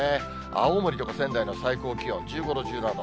青森とか仙台の最高気温、１５度、１７度。